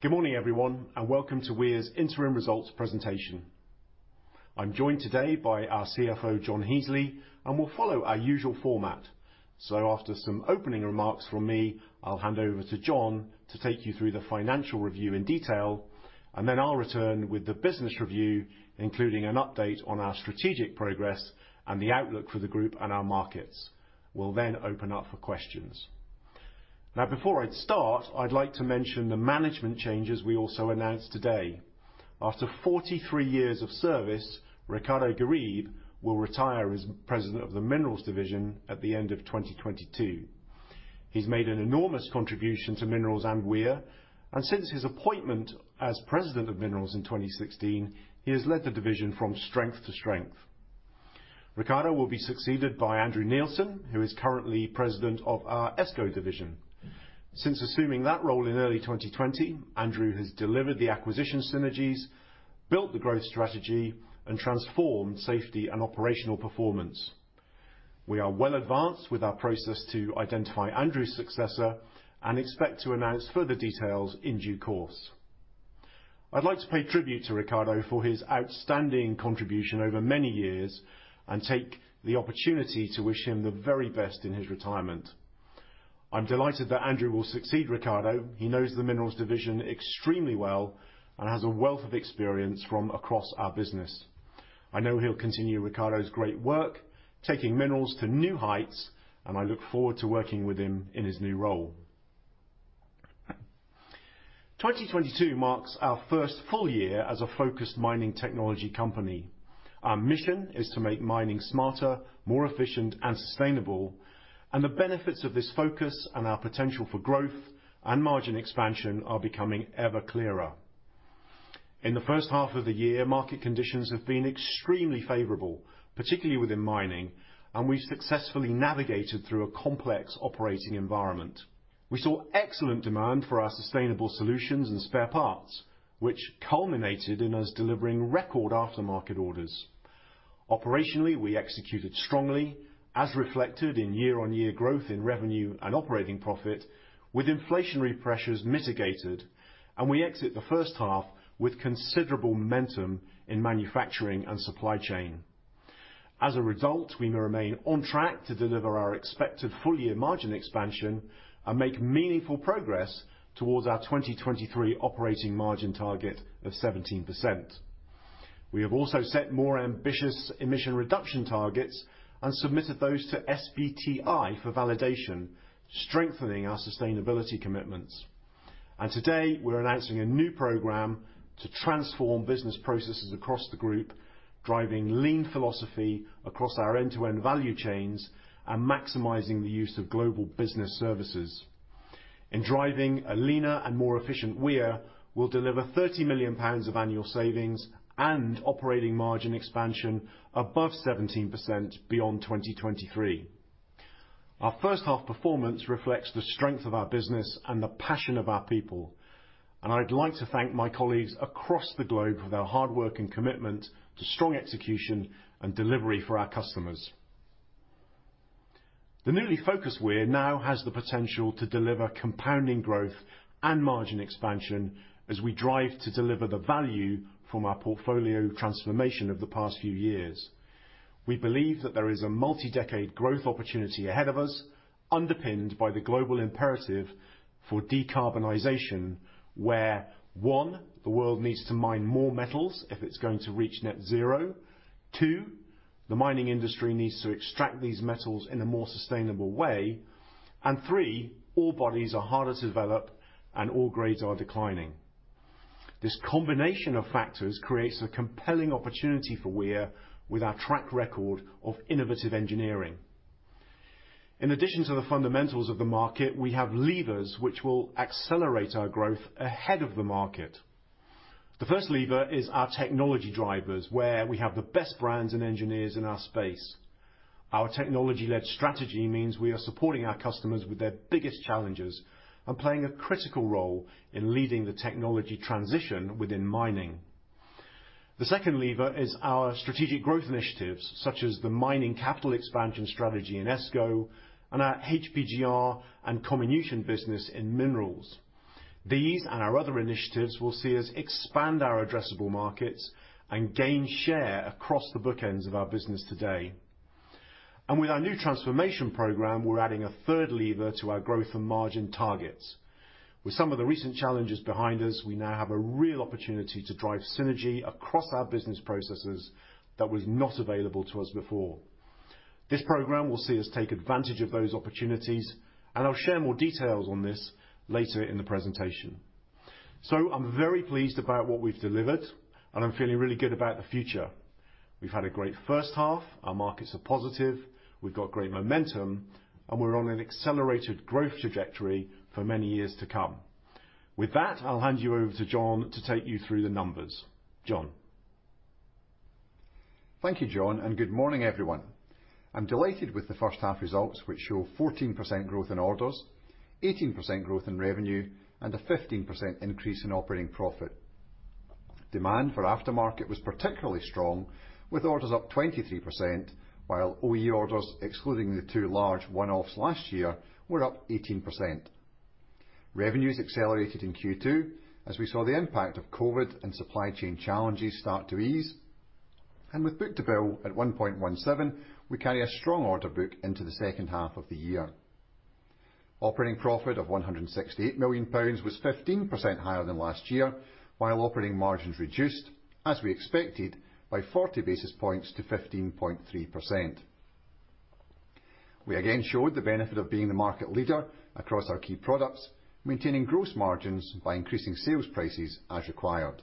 Good morning, everyone, and welcome to Weir's Interim Results Presentation. I'm joined today by our CFO, John Heasley, and we'll follow our usual format. After some opening remarks from me, I'll hand over to John to take you through the financial review in detail, and then I'll return with the business review, including an update on our strategic progress and the outlook for the group and our markets. We'll then open up for questions. Now, before I start, I'd like to mention the management changes we also announced today. After 43 years of service, Ricardo Garib will retire as President of the Minerals division at the end of 2022. He's made an enormous contribution to Minerals and Weir, and since his appointment as President of Minerals in 2016, he has led the division from strength to strength. Ricardo will be succeeded by Andrew Neilson, who is currently President of our ESCO division. Since assuming that role in early 2020, Andrew has delivered the acquisition synergies, built the growth strategy, and transformed safety and operational performance. We are well advanced with our process to identify Andrew's successor and expect to announce further details in due course. I'd like to pay tribute to Ricardo for his outstanding contribution over many years and take the opportunity to wish him the very best in his retirement. I'm delighted that Andrew will succeed Ricardo. He knows the Minerals division extremely well and has a wealth of experience from across our business. I know he'll continue Ricardo's great work, taking Minerals to new heights, and I look forward to working with him in his new role. 2022 marks our first full year as a focused mining technology company. Our mission is to make mining smarter, more efficient and sustainable, and the benefits of this focus and our potential for growth and margin expansion are becoming ever clearer. In the first half of the year, market conditions have been extremely favorable, particularly within mining, and we've successfully navigated through a complex operating environment. We saw excellent demand for our sustainable solutions and spare parts, which culminated in us delivering record aftermarket orders. Operationally, we executed strongly, as reflected in year-on-year growth in revenue and operating profit, with inflationary pressures mitigated, and we exit the first half with considerable momentum in manufacturing and supply chain. As a result, we may remain on track to deliver our expected full-year margin expansion and make meaningful progress towards our 2023 operating margin target of 17%. We have also set more ambitious emission reduction targets and submitted those to SBTi for validation, strengthening our sustainability commitments. Today, we're announcing a new program to transform business processes across the group, driving lean philosophy across our end-to-end value chains and maximizing the use of global business services. In driving a leaner and more efficient Weir, we'll deliver 30 million pounds of annual savings and operating margin expansion above 17% beyond 2023. Our first half performance reflects the strength of our business and the passion of our people, and I'd like to thank my colleagues across the globe for their hard work and commitment to strong execution and delivery for our customers. The newly focused Weir now has the potential to deliver compounding growth and margin expansion as we drive to deliver the value from our portfolio transformation of the past few years. We believe that there is a multi-decade growth opportunity ahead of us, underpinned by the global imperative for decarbonization, where, one, the world needs to mine more metals if it's going to reach net zero, two, the mining industry needs to extract these metals in a more sustainable way, and three, ore bodies are harder to develop and ore grades are declining. This combination of factors creates a compelling opportunity for Weir with our track record of innovative engineering. In addition to the fundamentals of the market, we have levers which will accelerate our growth ahead of the market. The first lever is our technology drivers, where we have the best brands and engineers in our space. Our technology-led strategy means we are supporting our customers with their biggest challenges and playing a critical role in leading the technology transition within mining. The second lever is our strategic growth initiatives such as the mining capital expansion strategy in ESCO and our HPGR and comminution business in Minerals. These and our other initiatives will see us expand our addressable markets and gain share across the bookends of our business today. With our new transformation program, we're adding a third lever to our growth and margin targets. With some of the recent challenges behind us, we now have a real opportunity to drive synergy across our business processes that was not available to us before. This program will see us take advantage of those opportunities, and I'll share more details on this later in the presentation. I'm very pleased about what we've delivered, and I'm feeling really good about the future. We've had a great first half, our markets are positive, we've got great momentum, and we're on an accelerated growth trajectory for many years to come. With that, I'll hand you over to John to take you through the numbers. John? Thank you, Jon, and good morning, everyone. I'm delighted with the first half results, which show 14% growth in orders, 18% growth in revenue, and a 15% increase in operating profit. Demand for aftermarket was particularly strong with orders up 23%, while OE orders, excluding the two large one-offs last year, were up 18%. Revenues accelerated in Q2 as we saw the impact of COVID and supply chain challenges start to ease. With book-to-bill at 1.17, we carry a strong order book into the second half of the year. Operating profit of GBP 168 million was 15% higher than last year, while operating margins reduced, as we expected, by 40 basis points to 15.3%. We again showed the benefit of being the market leader across our key products, maintaining gross margins by increasing sales prices as required.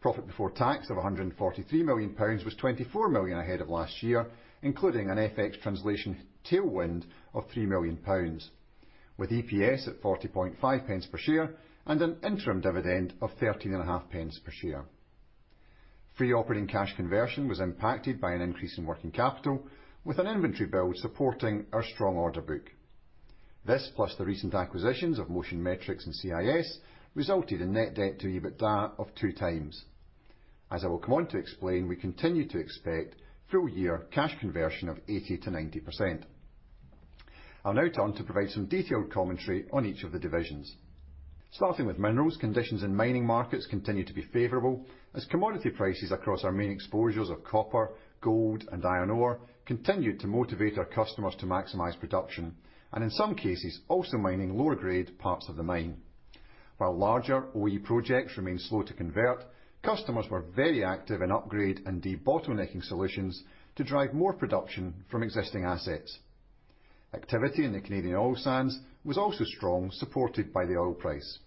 Profit before tax of GBP 143 million was GBP 24 million ahead of last year, including an FX translation tailwind of GBP 3 million, with EPS at 0.405 per share and an interim dividend of 0.135 per share. Free operating cash conversion was impacted by an increase in working capital with an inventory build supporting our strong order book. This plus the recent acquisitions of Motion Metrics and CIS resulted in net debt to EBITDA of 2x. As I will come on to explain, we continue to expect full year cash conversion of 80%-90%. I'll now turn to provide some detailed commentary on each of the divisions. Starting with minerals, conditions in mining markets continue to be favorable as commodity prices across our main exposures of copper, gold, and iron ore continued to motivate our customers to maximize production, and in some cases, also mining lower grade parts of the mine. While larger OE projects remain slow to convert, customers were very active in upgrade and debottlenecking solutions to drive more production from existing assets. Activity in the Canadian oil sands was also strong, supported by the oil price.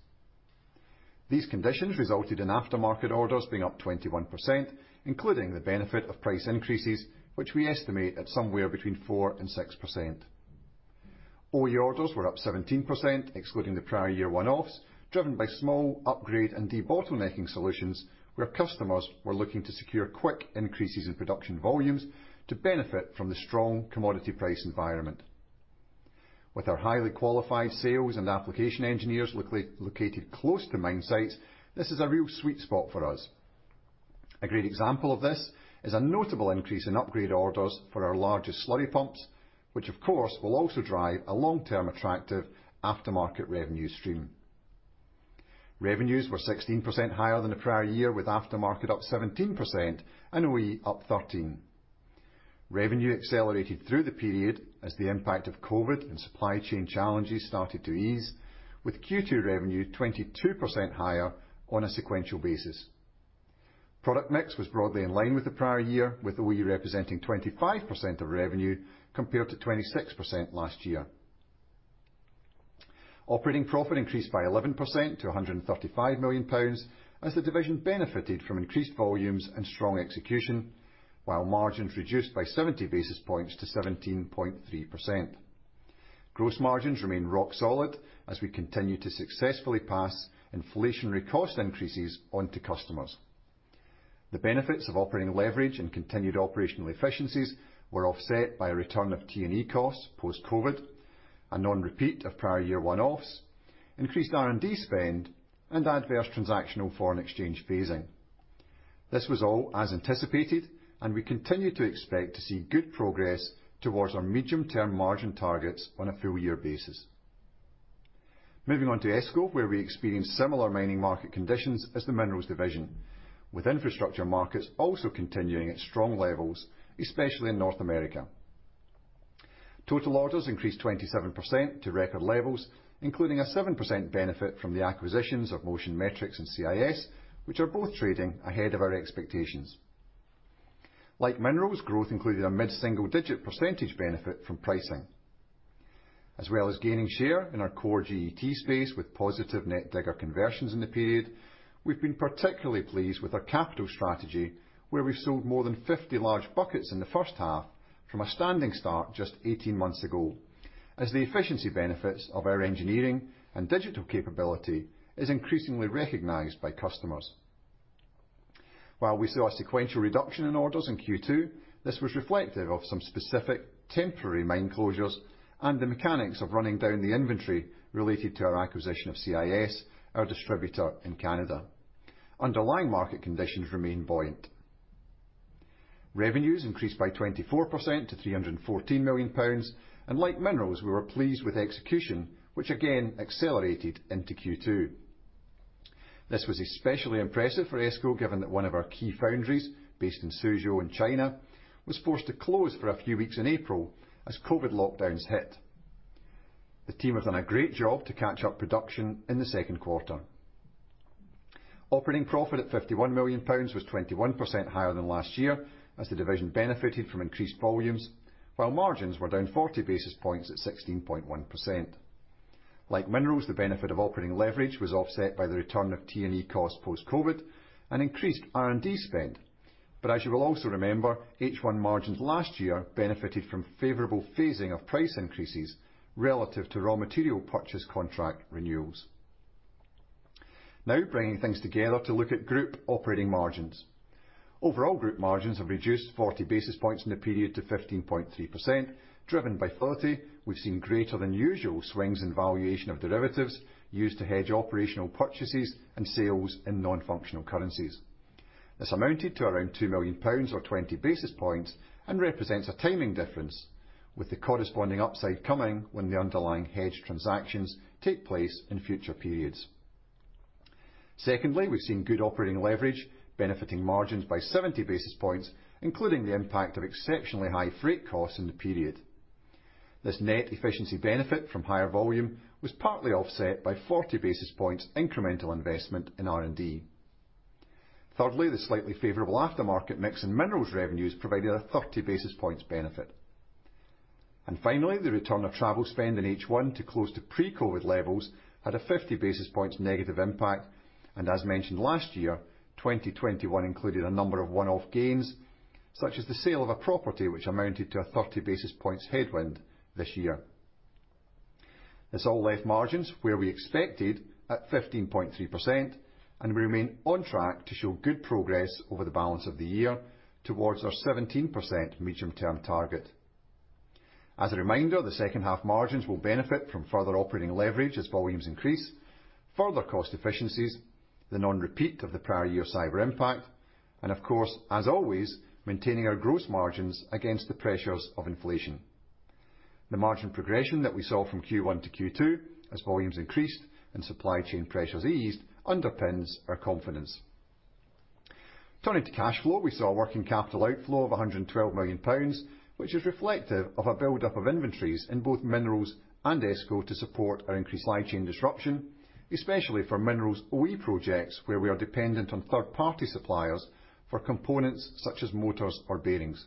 These conditions resulted in aftermarket orders being up 21%, including the benefit of price increases, which we estimate at somewhere between 4%-6%. OE orders were up 17% excluding the prior year one-offs, driven by small upgrade and debottlenecking solutions where customers were looking to secure quick increases in production volumes to benefit from the strong commodity price environment. With our highly qualified sales and application engineers located close to mine sites, this is a real sweet spot for us. A great example of this is a notable increase in upgrade orders for our largest slurry pumps, which of course will also drive a long-term attractive aftermarket revenue stream. Revenues were 16% higher than the prior year, with aftermarket up 17% and OE up 13%. Revenue accelerated through the period as the impact of COVID and supply chain challenges started to ease, with Q2 revenue 22% higher on a sequential basis. Product mix was broadly in line with the prior year, with OE representing 25% of revenue, compared to 26% last year. Operating profit increased by 11% to 135 million pounds as the division benefited from increased volumes and strong execution, while margins reduced by 70 basis points to 17.3%. Gross margins remain rock solid as we continue to successfully pass inflationary cost increases on to customers. The benefits of operating leverage and continued operational efficiencies were offset by a return of T&E costs post-COVID, a non-repeat of prior year one-offs, increased R&D spend, and adverse transactional foreign exchange phasing. This was all as anticipated, and we continue to expect to see good progress towards our medium-term margin targets on a full year basis. Moving on to ESCO, where we experienced similar mining market conditions as the Minerals division, with infrastructure markets also continuing at strong levels, especially in North America. Total orders increased 27% to record levels, including a 7% benefit from the acquisitions of Motion Metrics and CIS, which are both trading ahead of our expectations. Like Minerals, growth included a mid-single digit percentage benefit from pricing. As well as gaining share in our core GET space with positive net digger conversions in the period, we've been particularly pleased with our capital strategy, where we sold more than 50 large buckets in the first half from a standing start just 18 months ago, as the efficiency benefits of our engineering and digital capability is increasingly recognized by customers. While we saw a sequential reduction in orders in Q2, this was reflective of some specific temporary mine closures and the mechanics of running down the inventory related to our acquisition of CIS, our distributor in Canada. Underlying market conditions remain buoyant. Revenues increased by 24% to 314 million pounds, and like Minerals, we were pleased with execution, which again accelerated into Q2. This was especially impressive for ESCO, given that one of our key foundries based in Suzhou in China was forced to close for a few weeks in April as COVID lockdowns hit. The team have done a great job to catch up production in the second quarter. Operating profit at 51 million pounds was 21% higher than last year as the division benefited from increased volumes, while margins were down 40 basis points at 16.1%. Like Minerals, the benefit of operating leverage was offset by the return of T&E costs post-COVID and increased R&D spend. As you will also remember, H1 margins last year benefited from favorable phasing of price increases relative to raw material purchase contract renewals. Now bringing things together to look at group operating margins. Overall, group margins have reduced 40 basis points in the period to 15.3%, driven by 30. We've seen greater than usual swings in valuation of derivatives used to hedge operational purchases and sales in non-functional currencies. This amounted to around 2 million pounds or 20 basis points and represents a timing difference with the corresponding upside coming when the underlying hedged transactions take place in future periods. Secondly, we've seen good operating leverage benefiting margins by 70 basis points, including the impact of exceptionally high freight costs in the period. This net efficiency benefit from higher volume was partly offset by 40 basis points incremental investment in R&D. Thirdly, the slightly favorable aftermarket mix in Minerals revenues provided a 30 basis points benefit. Finally, the return of travel spend in H1 to close to pre-COVID levels had a 50 basis points negative impact. As mentioned last year, 2021 included a number of one-off gains, such as the sale of a property which amounted to a 30 basis points headwind this year. This all left margins where we expected at 15.3%, and we remain on track to show good progress over the balance of the year towards our 17% medium-term target. As a reminder, the second half margins will benefit from further operating leverage as volumes increase, further cost efficiencies, the non-repeat of the prior year cyber impact, and of course, as always, maintaining our gross margins against the pressures of inflation. The margin progression that we saw from Q1 to Q2 as volumes increased and supply chain pressures eased underpins our confidence. Turning to cash flow, we saw a working capital outflow of 112 million pounds, which is reflective of a buildup of inventories in both Minerals and ESCO to support our increased supply chain disruption, especially for Minerals OE projects, where we are dependent on third-party suppliers for components such as motors or bearings.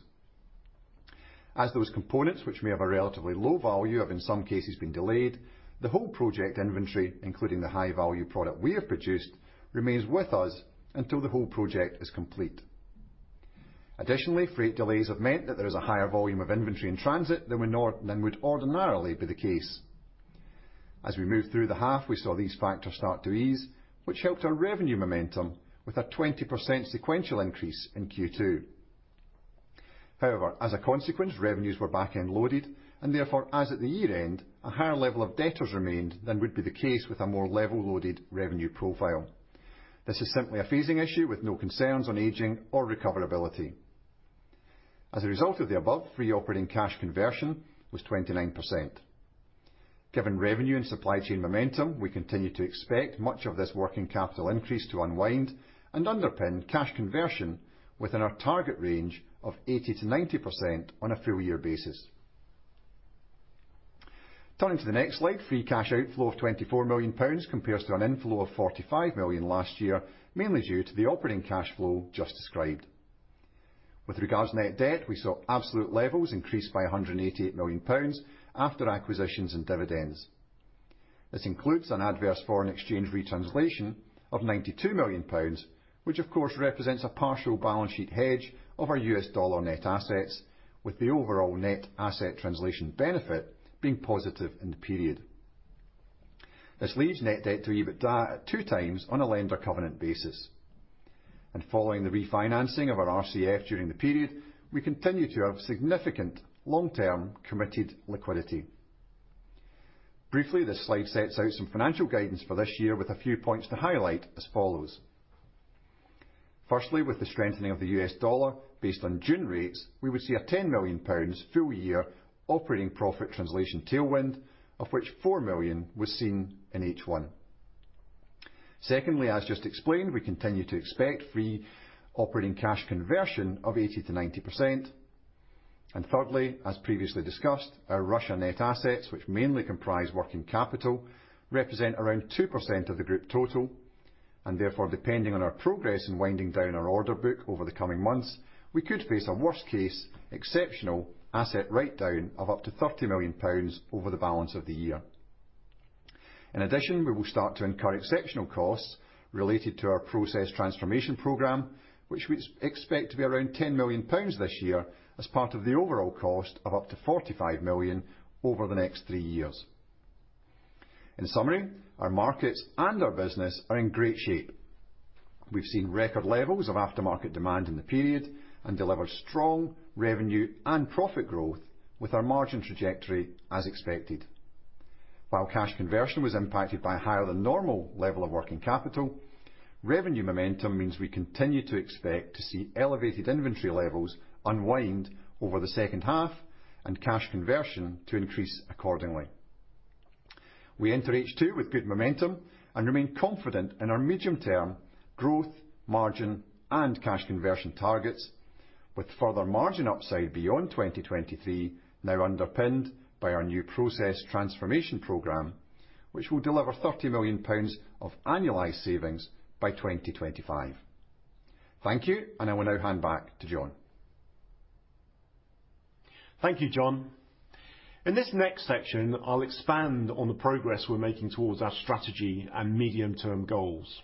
As those components which may have a relatively low value have in some cases been delayed, the whole project inventory, including the high-value product we have produced, remains with us until the whole project is complete. Additionally, freight delays have meant that there is a higher volume of inventory in transit than would ordinarily be the case. As we moved through the half, we saw these factors start to ease, which helped our revenue momentum with a 20% sequential increase in Q2. However, as a consequence, revenues were back-end loaded and therefore, as at the year-end, a higher level of debtors remained than would be the case with a more level-loaded revenue profile. This is simply a phasing issue with no concerns on aging or recoverability. As a result of the above, free operating cash conversion was 29%. Given revenue and supply chain momentum, we continue to expect much of this working capital increase to unwind and underpin cash conversion within our target range of 80%-90% on a full year basis. Turning to the next slide, free cash outflow of 24 million pounds compares to an inflow of 45 million last year, mainly due to the operating cash flow just described. With regards net debt, we saw absolute levels increase by 188 million pounds after acquisitions and dividends. This includes an adverse foreign exchange retranslation of 92 million pounds which of course represents a partial balance sheet hedge of our U.S. dollar net assets, with the overall net asset translation benefit being positive in the period. This leads net debt to EBITDA at 2x on a lender covenant basis. Following the refinancing of our RCF during the period, we continue to have significant long-term committed liquidity. Briefly, this slide sets out some financial guidance for this year with a few points to highlight as follows. Firstly, with the strengthening of the U.S. dollar based on June rates, we would see a 10 million pounds full year operating profit translation tailwind, of which 4 million was seen in H1. Secondly, as just explained, we continue to expect free operating cash conversion of 80%-90%. Thirdly, as previously discussed, our Russia net assets, which mainly comprise working capital, represent around 2% of the group total. Therefore, depending on our progress in winding down our order book over the coming months, we could face a worst case exceptional asset write down of up to 30 million pounds over the balance of the year. In addition, we will start to incur exceptional costs related to our process transformation program, which we expect to be around 10 million pounds this year as part of the overall cost of up to 45 million over the next three years. In summary, our markets and our business are in great shape. We've seen record levels of aftermarket demand in the period and delivered strong revenue and profit growth with our margin trajectory as expected. While cash conversion was impacted by higher than normal level of working capital, revenue momentum means we continue to expect to see elevated inventory levels unwind over the second half and cash conversion to increase accordingly. We enter H2 with good momentum and remain confident in our medium-term growth, margin, and cash conversion targets with further margin upside beyond 2023 now underpinned by our new process transformation program which will deliver 30 million pounds of annualized savings by 2025. Thank you, and I will now hand back to Jon. Thank you, John. In this next section, I'll expand on the progress we're making towards our strategy and medium-term goals.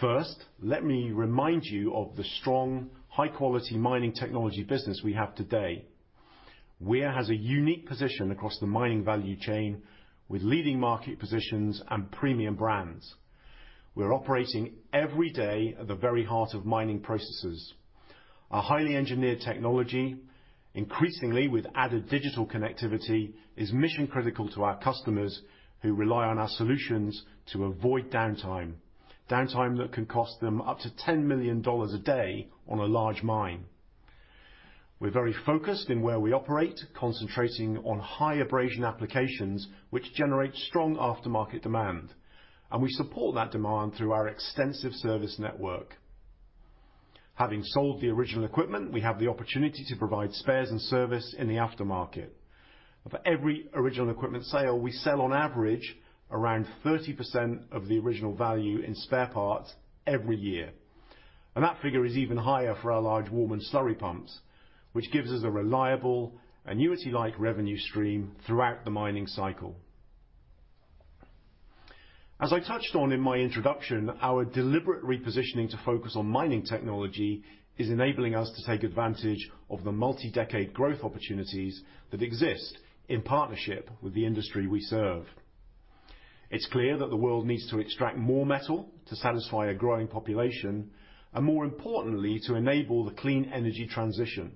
First, let me remind you of the strong, high-quality mining technology business we have today. Weir has a unique position across the mining value chain with leading market positions and premium brands. We're operating every day at the very heart of mining processes. Our highly engineered technology, increasingly with added digital connectivity, is mission-critical to our customers who rely on our solutions to avoid downtime that can cost them up to $10 million a day on a large mine. We're very focused in where we operate, concentrating on high-abrasion applications which generate strong aftermarket demand, and we support that demand through our extensive service network. Having sold the original equipment, we have the opportunity to provide spares and service in the aftermarket. For every original equipment sale, we sell on average around 30% of the original value in spare parts every year. That figure is even higher for our large Warman slurry pumps, which gives us a reliable annuity-like revenue stream throughout the mining cycle. As I touched on in my introduction, our deliberate repositioning to focus on mining technology is enabling us to take advantage of the multi-decade growth opportunities that exist in partnership with the industry we serve. It's clear that the world needs to extract more metal to satisfy a growing population and, more importantly, to enable the clean energy transition.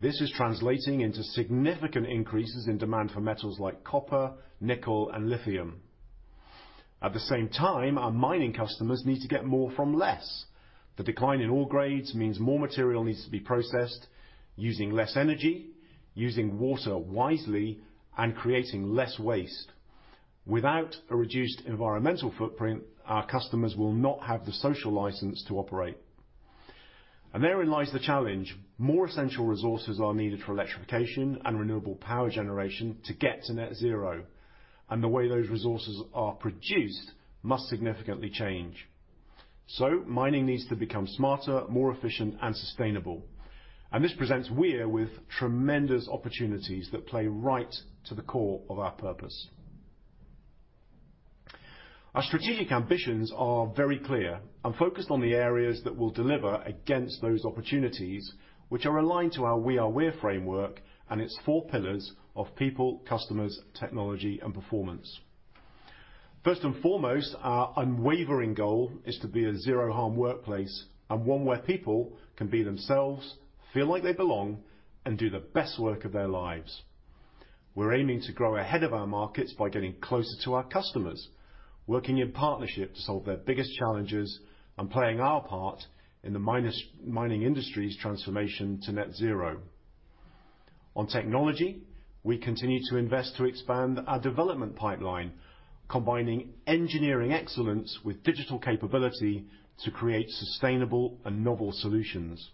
This is translating into significant increases in demand for metals like copper, nickel, and lithium. At the same time, our mining customers need to get more from less. The decline in ore grades means more material needs to be processed using less energy, using water wisely, and creating less waste. Without a reduced environmental footprint, our customers will not have the social license to operate. Therein lies the challenge. More essential resources are needed for electrification and renewable power generation to get to net zero, and the way those resources are produced must significantly change. Mining needs to become smarter, more efficient, and sustainable. This presents Weir with tremendous opportunities that play right to the core of our purpose. Our strategic ambitions are very clear and focused on the areas that will deliver against those opportunities which are aligned to our We Are Weir framework and its four pillars of people, customers, technology, and performance. First and foremost, our unwavering goal is to be a zero-harm workplace and one where people can be themselves, feel like they belong, and do the best work of their lives. We're aiming to grow ahead of our markets by getting closer to our customers, working in partnership to solve their biggest challenges, and playing our part in the mining industry's transformation to net zero. On technology, we continue to invest to expand our development pipeline, combining engineering excellence with digital capability to create sustainable and novel solutions.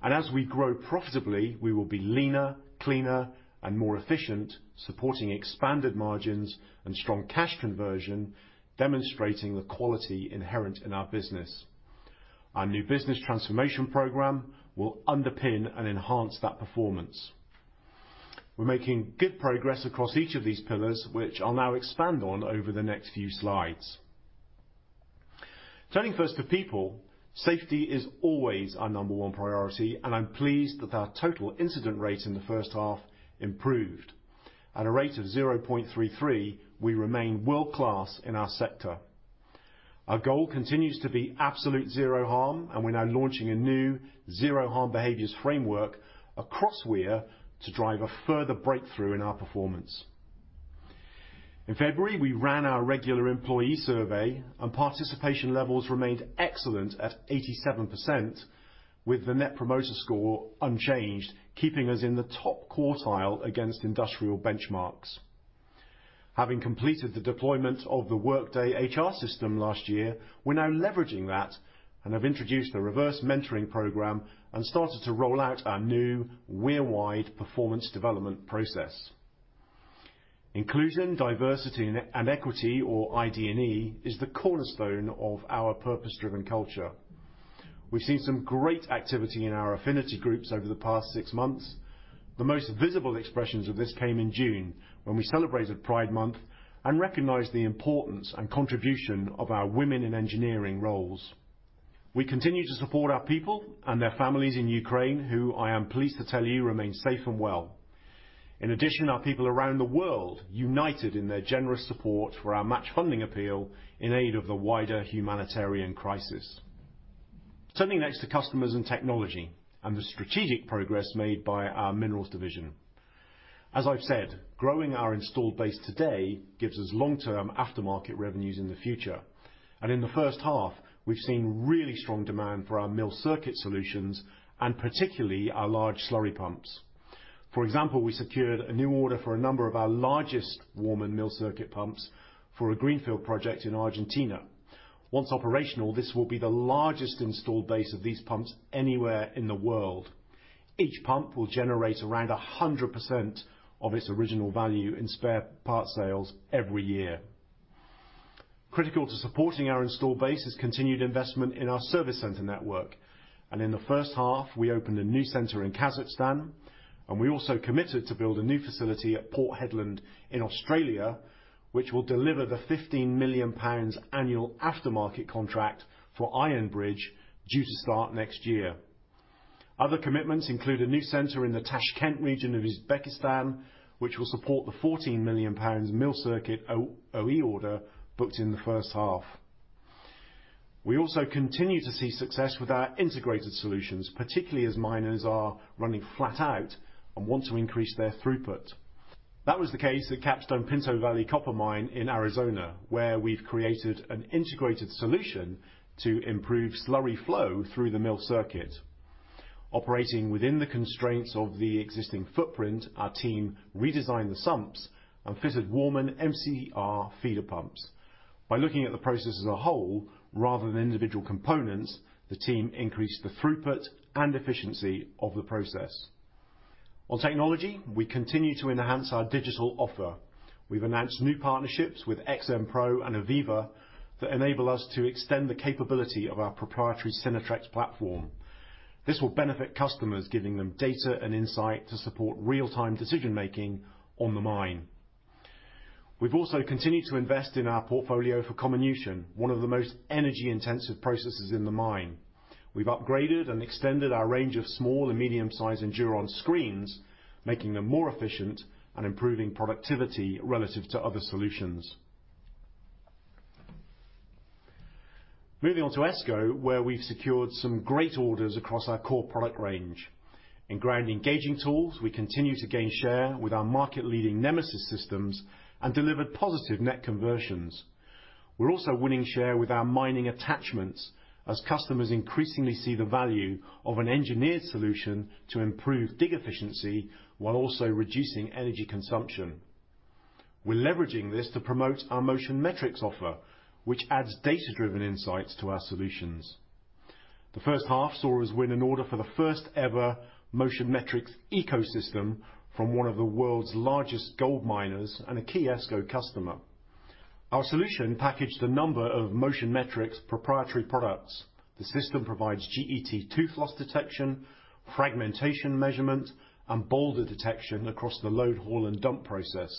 As we grow profitably, we will be leaner, cleaner, and more efficient, supporting expanded margins and strong cash conversion, demonstrating the quality inherent in our business. Our new business transformation program will underpin and enhance that performance. We're making good progress across each of these pillars, which I'll now expand on over the next few slides. Turning first to people, safety is always our number one priority, and I'm pleased that our total incident rate in the first half improved. At a rate of 0.33, we remain world-class in our sector. Our goal continues to be absolute zero harm, and we're now launching a new zero harm behaviors framework across Weir to drive a further breakthrough in our performance. In February, we ran our regular employee survey, and participation levels remained excellent at 87%, with the net promoter score unchanged, keeping us in the top quartile against industrial benchmarks. Having completed the deployment of the Workday HR system last year, we're now leveraging that and have introduced a Reverse Mentoring Programme and started to roll out our new Weir-wide performance development process. Inclusion, diversity, and equity, or ID&E, is the cornerstone of our purpose-driven culture. We've seen some great activity in our affinity groups over the past six months. The most visible expressions of this came in June when we celebrated Pride Month and recognized the importance and contribution of our women in engineering roles. We continue to support our people and their families in Ukraine, who I am pleased to tell you remain safe and well. In addition, our people around the world united in their generous support for our match funding appeal in aid of the wider humanitarian crisis. Turning next to customers and technology and the strategic progress made by our Minerals division. As I've said, growing our installed base today gives us long-term aftermarket revenues in the future. In the first half, we've seen really strong demand for our mill circuit solutions and particularly our large slurry pumps. For example, we secured a new order for a number of our largest Warman mill circuit pumps for a greenfield project in Argentina. Once operational, this will be the largest installed base of these pumps anywhere in the world. Each pump will generate around 100% of its original value in spare parts sales every year. Critical to supporting our installed base is continued investment in our service center network, and in the first half, we opened a new center in Kazakhstan, and we also committed to build a new facility at Port Hedland in Australia, which will deliver the 15 million pounds annual aftermarket contract for Iron Bridge due to start next year. Other commitments include a new center in the Tashkent region of Uzbekistan, which will support the 14 million pounds Mill circuit OE order booked in the first half. We also continue to see success with our integrated solutions, particularly as miners are running flat out and want to increase their throughput. That was the case at Capstone, Pinto Valley Copper Mine in Arizona, where we've created an integrated solution to improve slurry flow through the mill circuit. Operating within the constraints of the existing footprint, our team redesigned the sumps and fitted Warman MCR feeder pumps. By looking at the process as a whole rather than individual components, the team increased the throughput and efficiency of the process. On technology, we continue to enhance our digital offer. We've announced new partnerships with XMPro and AVEVA that enable us to extend the capability of our proprietary Synertrex platform. This will benefit customers, giving them data and insight to support real-time decision-making on the mine. We've also continued to invest in our portfolio for comminution, one of the most energy-intensive processes in the mine. We've upgraded and extended our range of small and medium-sized Enduron screens, making them more efficient and improving productivity relative to other solutions. Moving on to ESCO, where we've secured some great orders across our core product range. In ground engaging tools, we continue to gain share with our market-leading Nemisys systems and delivered positive net conversions. We're also winning share with our mining attachments as customers increasingly see the value of an engineered solution to improve dig efficiency while also reducing energy consumption. We're leveraging this to promote our Motion Metrics offer, which adds data-driven insights to our solutions. The first half saw us win an order for the first ever Motion Metrics ecosystem from one of the world's largest gold miners and a key ESCO customer. Our solution packaged a number of Motion Metrics proprietary products. The system provides GET tooth loss detection, fragmentation measurement, and boulder detection across the load, haul, and dump process.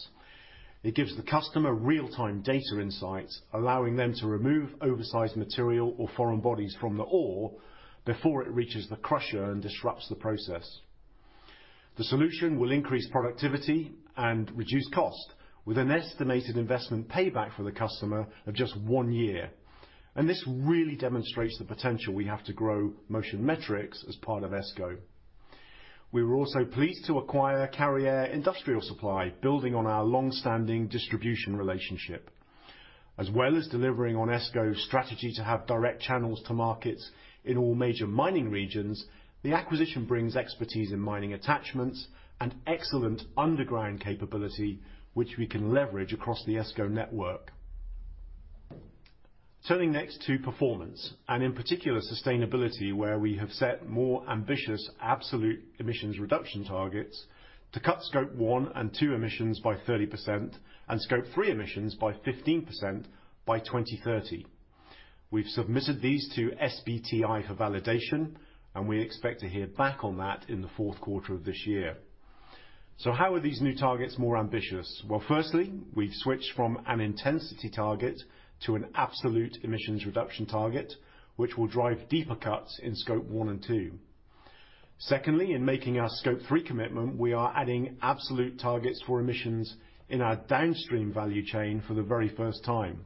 It gives the customer real-time data insights, allowing them to remove oversized material or foreign bodies from the ore before it reaches the crusher and disrupts the process. The solution will increase productivity and reduce cost with an estimated investment payback for the customer of just one year. This really demonstrates the potential we have to grow Motion Metrics as part of ESCO. We were also pleased to acquire Carriere Industrial Supply, building on our long-standing distribution relationship. As well as delivering on ESCO's strategy to have direct channels to markets in all major mining regions, the acquisition brings expertise in mining attachments and excellent underground capability, which we can leverage across the ESCO network. Turning next to performance, and in particular sustainability, where we have set more ambitious absolute emissions reduction targets to cut Scope I and Scope II emissions by 30% and Scope III emissions by 15% by 2030. We've submitted these to SBTi for validation, and we expect to hear back on that in the fourth quarter of this year. How are these new targets more ambitious? Well, firstly, we've switched from an intensity target to an absolute emissions reduction target, which will drive deeper cuts in Scope I and Scope II. Secondly, in making our Scope III commitment, we are adding absolute targets for emissions in our downstream value chain for the very first time.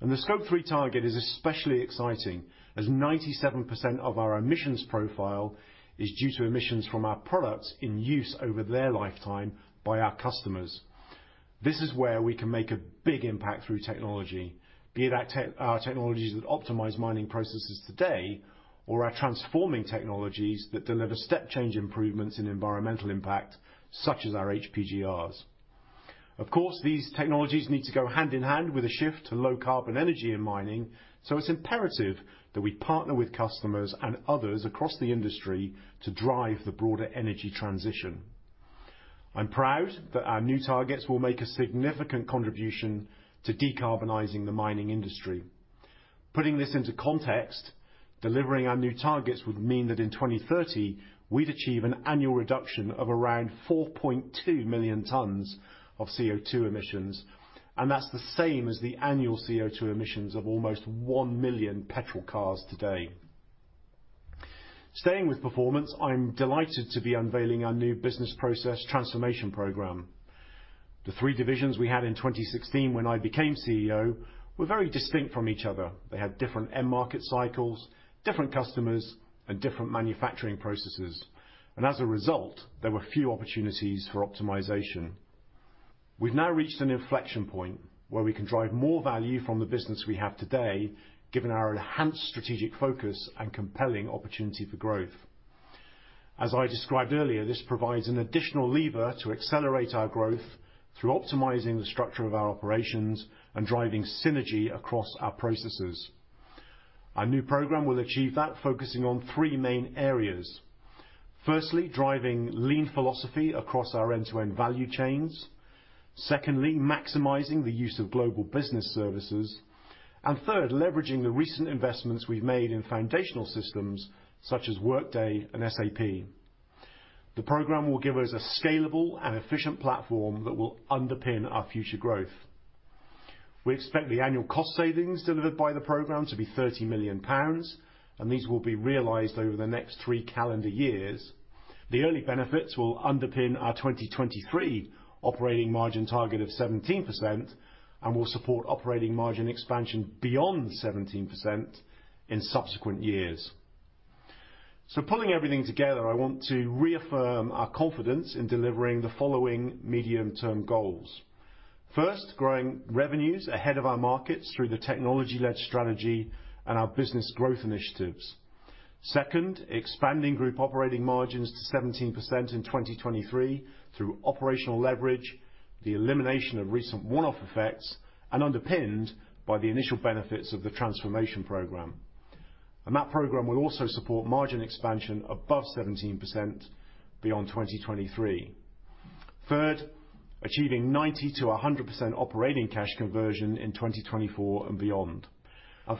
The Scope III target is especially exciting as 97% of our emissions profile is due to emissions from our products in use over their lifetime by our customers. This is where we can make a big impact through technology. Be it our technologies that optimize mining processes today, or our transforming technologies that deliver step change improvements in environmental impact, such as our HPGRs. Of course, these technologies need to go hand in hand with a shift to low carbon energy in mining, so it's imperative that we partner with customers and others across the industry to drive the broader energy transition. I'm proud that our new targets will make a significant contribution to decarbonizing the mining industry. Putting this into context, delivering our new targets would mean that in 2030, we'd achieve an annual reduction of around 4.2 million tons of CO₂ emissions, and that's the same as the annual CO₂ emissions of almost 1 million petrol cars today. Staying with performance, I'm delighted to be unveiling our new business process transformation program. The three divisions we had in 2016 when I became CEO were very distinct from each other. They had different end market cycles, different customers, and different manufacturing processes, and as a result, there were few opportunities for optimization. We've now reached an inflection point where we can drive more value from the business we have today, given our enhanced strategic focus and compelling opportunity for growth. As I described earlier, this provides an additional lever to accelerate our growth through optimizing the structure of our operations and driving synergy across our processes. Our new program will achieve that, focusing on three main areas. Firstly, driving lean philosophy across our end-to-end value chains. Secondly, maximizing the use of global business services. Third, leveraging the recent investments we've made in foundational systems such as Workday and SAP. The program will give us a scalable and efficient platform that will underpin our future growth. We expect the annual cost savings delivered by the program to be 30 million pounds, and these will be realized over the next three calendar years. The early benefits will underpin our 2023 operating margin target of 17% and will support operating margin expansion beyond 17% in subsequent years. Pulling everything together, I want to reaffirm our confidence in delivering the following medium-term goals. First, growing revenues ahead of our markets through the technology-led strategy and our business growth initiatives. Second, expanding group operating margins to 17% in 2023 through operational leverage, the elimination of recent one-off effects, and underpinned by the initial benefits of the transformation program. That program will also support margin expansion above 17% beyond 2023. Third, achieving 90%-100% operating cash conversion in 2024 and beyond.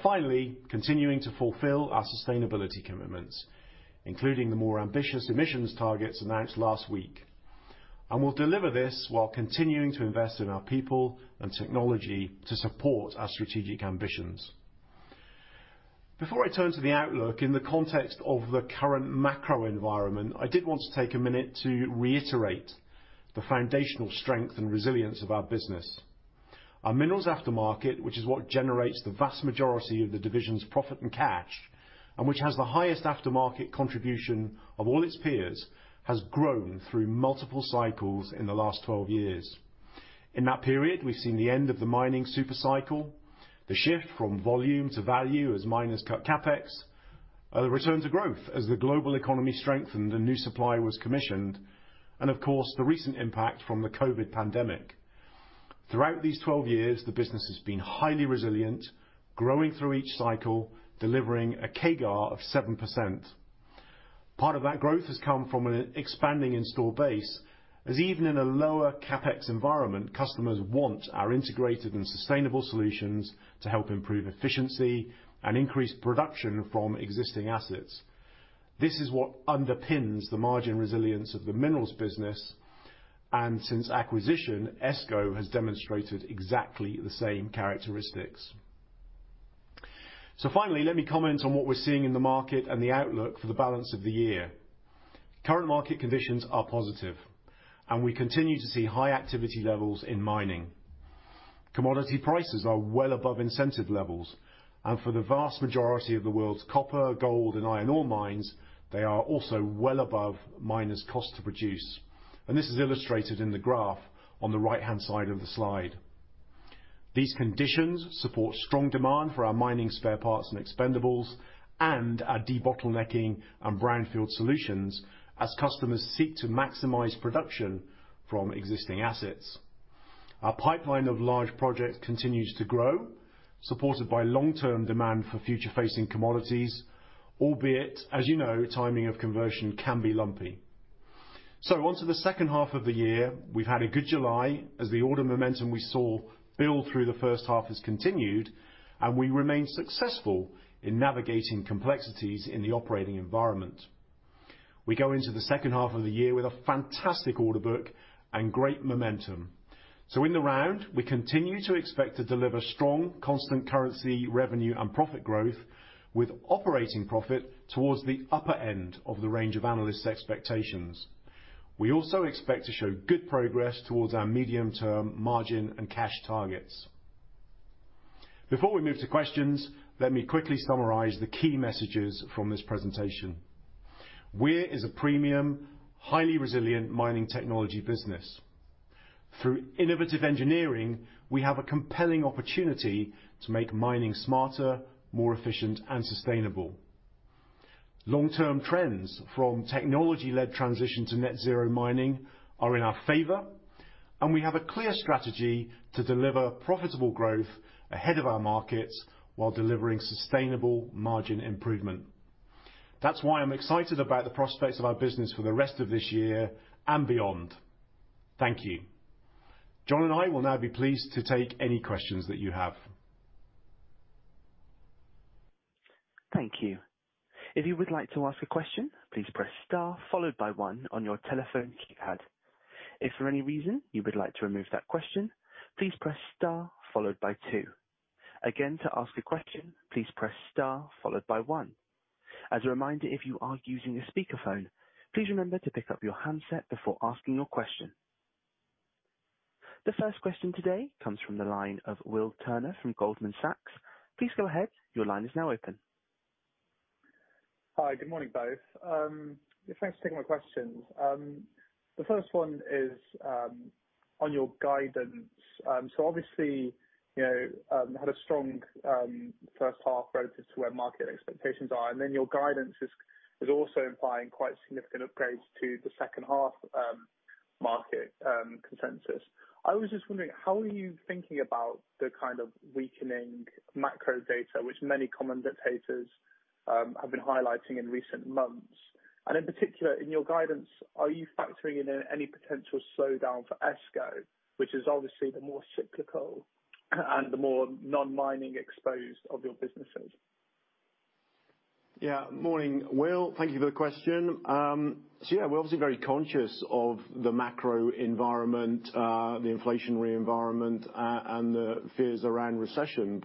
Finally, continuing to fulfill our sustainability commitments, including the more ambitious emissions targets announced last week. We'll deliver this while continuing to invest in our people and technology to support our strategic ambitions. Before I turn to the outlook in the context of the current macro environment, I did want to take a minute to reiterate the foundational strength and resilience of our business. Our Minerals aftermarket, which is what generates the vast majority of the division's profit and cash, and which has the highest aftermarket contribution of all its peers, has grown through multiple cycles in the last 12 years. In that period, we've seen the end of the mining super cycle, the shift from volume to value as miners cut CapEx, the return to growth as the global economy strengthened and new supply was commissioned, and of course, the recent impact from the COVID pandemic. Throughout these 12 years, the business has been highly resilient, growing through each cycle, delivering a CAGR of 7%. Part of that growth has come from an expanding install base, as even in a lower CapEx environment, customers want our integrated and sustainable solutions to help improve efficiency and increase production from existing assets. This is what underpins the margin resilience of the Minerals business, and since acquisition, ESCO has demonstrated exactly the same characteristics. Finally, let me comment on what we're seeing in the market and the outlook for the balance of the year. Current market conditions are positive, and we continue to see high activity levels in mining. Commodity prices are well above incentive levels, and for the vast majority of the world's copper, gold, and iron ore mines, they are also well above miners' cost to produce. This is illustrated in the graph on the right-hand side of the slide. These conditions support strong demand for our mining spare parts and expendables and our debottlenecking and brownfield solutions as customers seek to maximize production from existing assets. Our pipeline of large projects continues to grow, supported by long-term demand for future-facing commodities, albeit, as you know, timing of conversion can be lumpy. Onto the second half of the year. We've had a good July as the order momentum we saw build through the first half has continued, and we remain successful in navigating complexities in the operating environment. We go into the second half of the year with a fantastic order book and great momentum. In the round, we continue to expect to deliver strong constant currency, revenue and profit growth with operating profit towards the upper end of the range of analysts' expectations. We also expect to show good progress towards our medium-term margin and cash targets. Before we move to questions, let me quickly summarize the key messages from this presentation. We are a premium, highly resilient mining technology business. Through innovative engineering, we have a compelling opportunity to make mining smarter, more efficient, and sustainable. Long-term trends from technology-led transition to net zero mining are in our favor, and we have a clear strategy to deliver profitable growth ahead of our markets while delivering sustainable margin improvement. That's why I'm excited about the prospects of our business for the rest of this year and beyond. Thank you. John and I will now be pleased to take any questions that you have. Thank you. If you would like to ask a question, please press star followed by one on your telephone keypad. If for any reason you would like to remove that question, please press star followed by two. Again, to ask a question, please press star followed by one. As a reminder, if you are using a speakerphone, please remember to pick up your handset before asking your question. The first question today comes from the line of Will Turner from Goldman Sachs. Please go ahead. Your line is now open. Hi, good morning, both. Thanks for taking my questions. The first one is on your guidance. Obviously, you know, had a strong first half relative to where market expectations are, and then your guidance is also implying quite significant upgrades to the second half market consensus. I was just wondering, how are you thinking about the kind of weakening macro data which many commentators have been highlighting in recent months? And in particular, in your guidance, are you factoring in any potential slowdown for ESCO, which is obviously the more cyclical and the more non-mining exposed of your businesses? Yeah. Morning, Will. Thank you for the question. Yeah, we're obviously very conscious of the macro environment, the inflationary environment, and the fears around recession.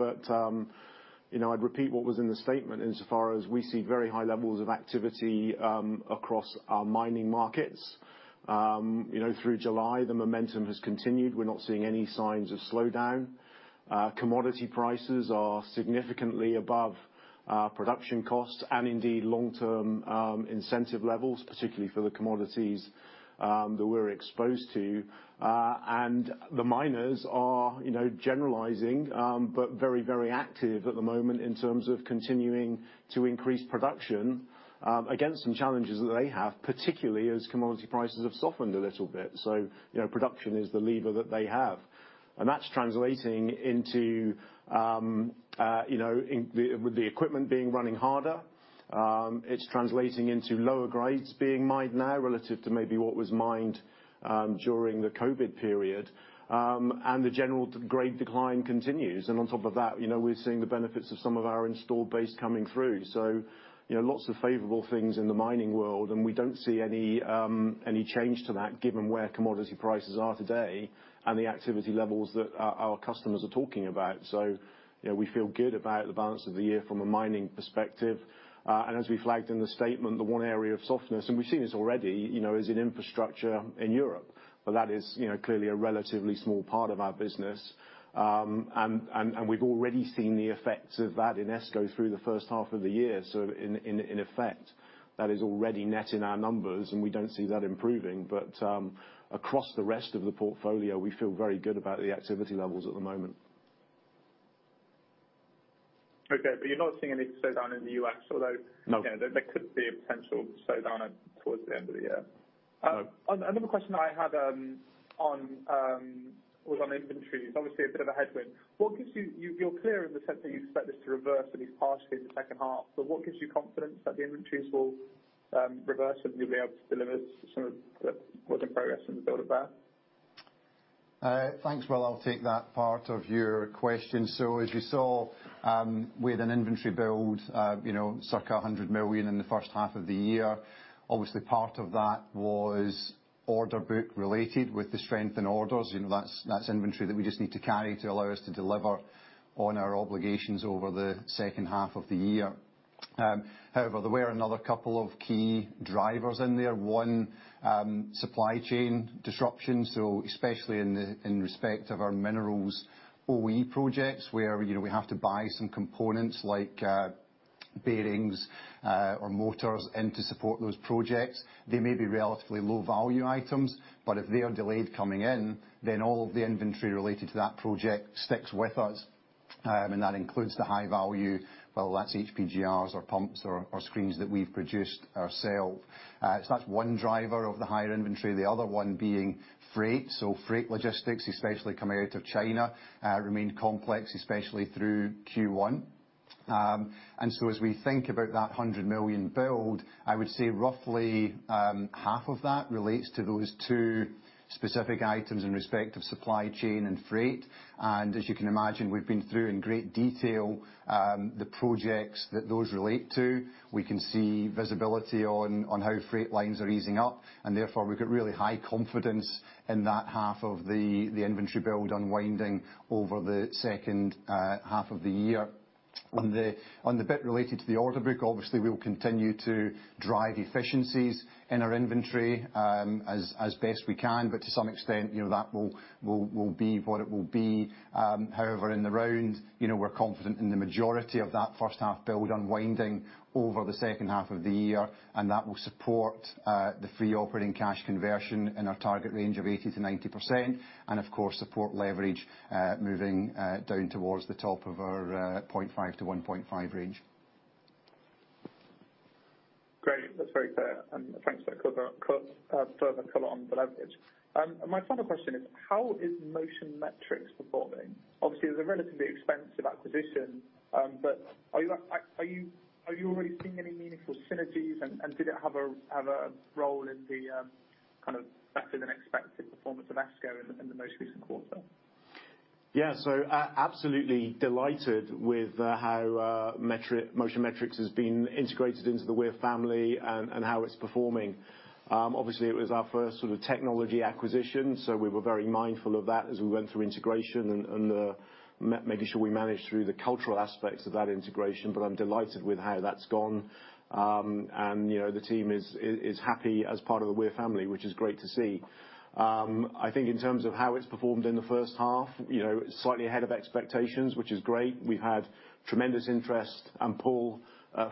You know, I'd repeat what was in the statement insofar as we see very high levels of activity across our mining markets. You know, through July, the momentum has continued. We're not seeing any signs of slowdown. Commodity prices are significantly above our production costs and indeed long-term incentive levels, particularly for the commodities that we're exposed to. The miners are, you know, generalizing, but very, very active at the moment in terms of continuing to increase production against some challenges that they have, particularly as commodity prices have softened a little bit. You know, production is the lever that they have. That's translating into, you know, with the equipment being running harder, it's translating into lower grades being mined now relative to maybe what was mined during the COVID period. The general grade decline continues. On top of that, you know, we're seeing the benefits of some of our installed base coming through. You know, lots of favorable things in the mining world, and we don't see any change to that given where commodity prices are today and the activity levels that our customers are talking about. You know, we feel good about the balance of the year from a mining perspective. As we flagged in the statement, the one area of softness, and we've seen this already, you know, is in infrastructure in Europe. That is, you know, clearly a relatively small part of our business. We've already seen the effects of that in ESCO through the first half of the year. In effect, that is already net in our numbers, and we don't see that improving. Across the rest of the portfolio, we feel very good about the activity levels at the moment. Okay. You're not seeing any slowdown in the U.S.. No. You know, there could be a potential slowdown toward the end of the year. No. Another question I had on inventory. It's obviously a bit of a headwind. You're clear in the sense that you expect this to reverse at least partially in the second half. What gives you confidence that the inventories will reverse, and you'll be able to deliver some of the work in progress and build it there? Thanks, Will, I'll take that part of your question. As you saw, with an inventory build, you know, circa 100 million in the first half of the year, obviously part of that was order book related with the strength in orders. You know, that's inventory that we just need to carry to allow us to deliver on our obligations over the second half of the year. However, there were another couple of key drivers in there. One, supply chain disruption, so especially in respect of our Minerals OE projects, where, you know, we have to buy some components like bearings or motors, and to support those projects. They may be relatively low value items, but if they are delayed coming in, then all of the inventory related to that project sticks with us. That includes the high value, well, that's HPGRs or pumps or screens that we've produced ourselves. That's one driver of the higher inventory, the other one being freight. Freight logistics, especially coming out of China, remained complex, especially through Q1. As we think about that 100 million build, I would say roughly, half of that relates to those two specific items in respect of supply chain and freight. As you can imagine, we've been through in great detail the projects that those relate to. We can see visibility on how freight lines are easing up, and therefore we've got really high confidence in that half of the inventory build unwinding over the second half of the year. On the bit related to the order book, obviously we will continue to drive efficiencies in our inventory, as best we can, but to some extent, you know, that will be what it will be. However, in the round, you know, we're confident in the majority of that first half build unwinding over the second half of the year, and that will support the free operating cash conversion in our target range of 80%-90% and of course, support leverage moving down towards the top of our 0.5-1.5 range. Great. That's very clear. Thanks for that further color on the leverage. My final question is, how is Motion Metrics performing? Obviously, it was a relatively expensive acquisition. But are you already seeing any meaningful synergies? And did it have a role in the kind of better-than-expected performance of ESCO in the most recent quarter? Yeah. Absolutely delighted with how Motion Metrics has been integrated into the Weir family and making sure we managed through the cultural aspects of that integration, but I'm delighted with how that's gone. You know, the team is happy as part of the Weir family, which is great to see. I think in terms of how it's performed in the first half, you know, slightly ahead of expectations, which is great. We've had tremendous interest and pull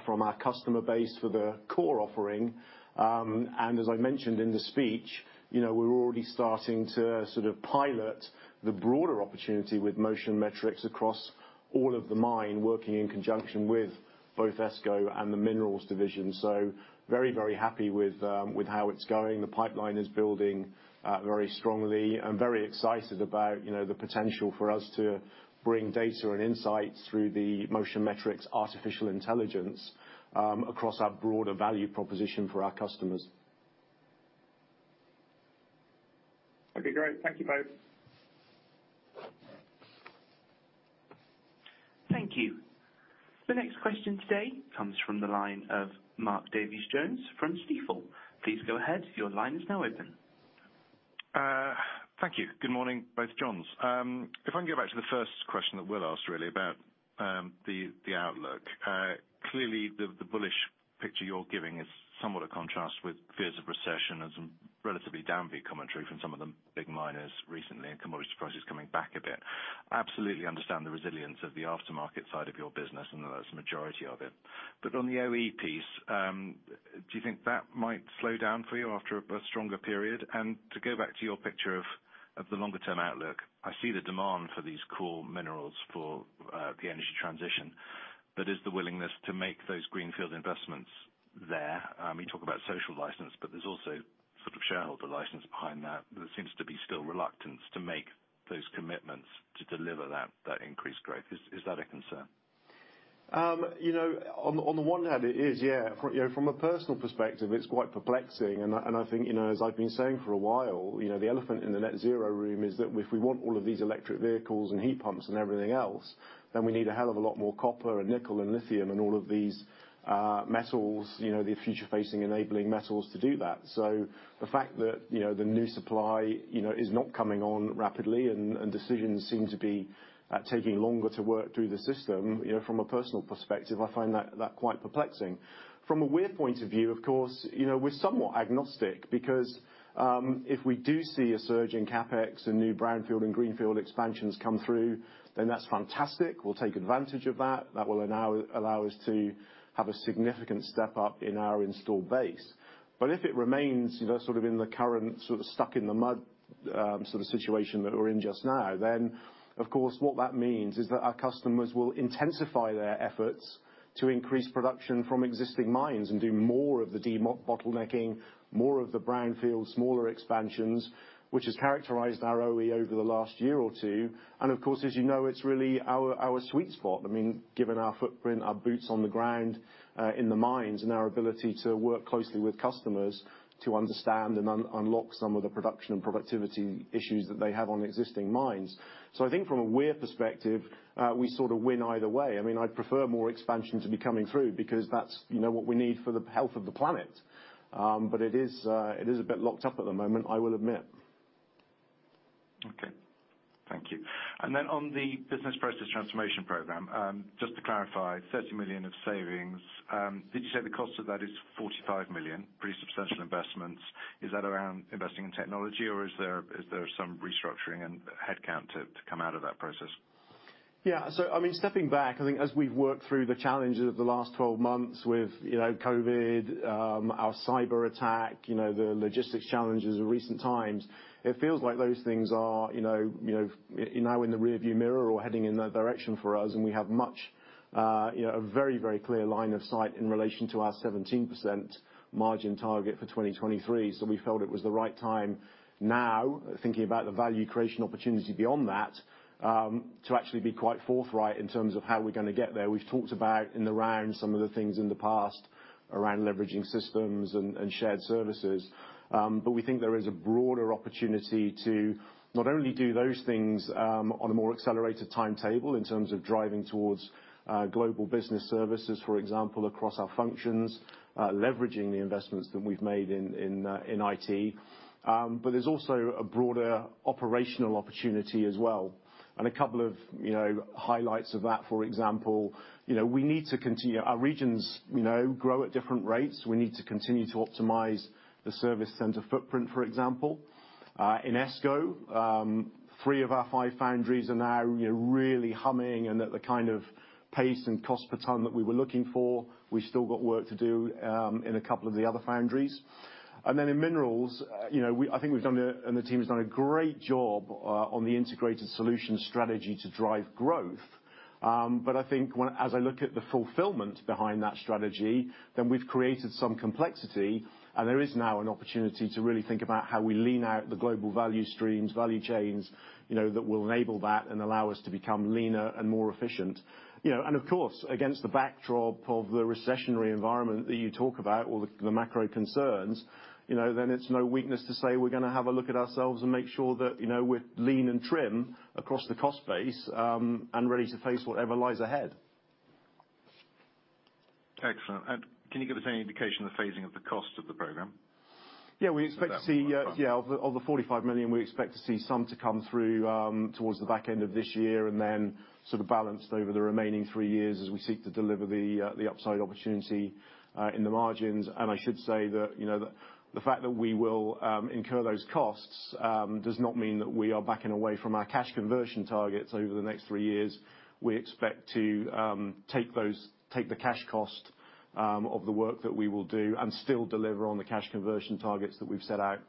from our customer base for the core offering. As I mentioned in the speech, you know, we're already starting to sort of pilot the broader opportunity with Motion Metrics across all of the mine, working in conjunction with both ESCO and the Minerals division. Very, very happy with how it's going. The pipeline is building very strongly. I'm very excited about, you know, the potential for us to bring data and insights through the Motion Metrics artificial intelligence across our broader value proposition for our customers. That'd be great. Thank you both. Thank you. The next question today comes from the line of Mark Davies Jones from Stifel. Please go ahead. Your line is now open. Thank you. Good morning, both Johns. If I can go back to the first question that Will asked really about the outlook. Clearly the bullish picture you're giving is somewhat a contrast with fears of recession and some relatively downbeat commentary from some of the big miners recently, and commodity prices coming back a bit. Absolutely understand the resilience of the aftermarket side of your business and that that's the majority of it. But on the OE piece, do you think that might slow down for you after a stronger period? To go back to your picture of the longer term outlook, I see the demand for these core Minerals for the energy transition, but is the willingness to make those greenfield investments there? You talk about social license, but there's also sort of shareholder license behind that, but there seems to be still reluctance to make those commitments to deliver that increased growth. Is that a concern? You know, on the one hand it is, yeah. From a personal perspective, it's quite perplexing and I think, you know, as I've been saying for a while, you know, the elephant in the net zero room is that if we want all of these electric vehicles and heat pumps and everything else, then we need a hell of a lot more copper and nickel and lithium and all of these metals, you know, the future facing enabling metals to do that. So the fact that, you know, the new supply, you know, is not coming on rapidly and decisions seem to be taking longer to work through the system, you know, from a personal perspective, I find that quite perplexing. From a Weir point of view, of course, you know, we're somewhat agnostic because if we do see a surge in CapEx and new brownfield and greenfield expansions come through, then that's fantastic. We'll take advantage of that. That will allow us to have a significant step up in our installed base. But if it remains, you know, sort of in the current sort of stuck in the mud sort of situation that we're in just now, then of course what that means is that our customers will intensify their efforts to increase production from existing mines and do more of the debottlenecking, more of the brownfield smaller expansions, which has characterized our OE over the last year or two. Of course, as you know, it's really our sweet spot. I mean, given our footprint, our boots on the ground, in the mines, and our ability to work closely with customers to understand and unlock some of the production and productivity issues that they have on existing mines. I think from a Weir perspective, we sort of win either way. I mean, I'd prefer more expansion to be coming through because that's, you know, what we need for the health of the planet. It is a bit locked up at the moment, I will admit. Okay. Thank you. On the business process transformation program, just to clarify, 30 million of savings. Did you say the cost of that is 45 million? Pretty substantial investments. Is that around investing in technology or is there some restructuring and headcount to come out of that process? Yeah. I mean, stepping back, I think as we've worked through the challenges of the last 12 months with, you know, COVID, our cyberattack, you know, the logistics challenges of recent times, it feels like those things are, you know, now in the rearview mirror or heading in that direction for us and we have much, you know, a very, very clear line of sight in relation to our 17% margin target for 2023. We felt it was the right time now, thinking about the value creation opportunity beyond that, to actually be quite forthright in terms of how we're gonna get there. We've talked about in the round some of the things in the past around leveraging systems and shared services. We think there is a broader opportunity to not only do those things on a more accelerated timetable in terms of driving towards global business services, for example, across our functions, leveraging the investments that we've made in IT. There's also a broader operational opportunity as well. A couple of, you know, highlights of that, for example, you know, our regions grow at different rates. We need to continue to optimize the service center footprint, for example. In ESCO, three of our five foundries are now, you know, really humming and at the kind of pace and cost per ton that we were looking for. We've still got work to do in a couple of the other foundries. Then in Minerals, you know, I think we've done, and the team has done a great job on the integrated solution strategy to drive growth. I think as I look at the fulfillment behind that strategy, we've created some complexity and there is now an opportunity to really think about how we lean out the global value streams, value chains, you know, that will enable that and allow us to become leaner and more efficient. You know, of course, against the backdrop of the recessionary environment that you talk about or the macro concerns, you know, it's no weakness to say we're gonna have a look at ourselves and make sure that, you know, we're lean and trim across the cost base, and ready to face whatever lies ahead. Excellent. Can you give us any indication of the phasing of the cost of the program? We expect to see some of the GBP 45 million to come through towards the back end of this year and then sort of balanced over the remaining three years as we seek to deliver the upside opportunity in the margins. I should say that, you know, the fact that we will incur those costs does not mean that we are backing away from our cash conversion targets over the next three years. We expect to take the cash cost of the work that we will do and still deliver on the cash conversion targets that we've set out.